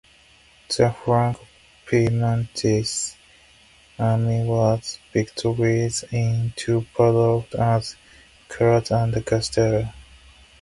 The Franco-Piedmontese army was victorious in two battles at Crocetta and Guastalla.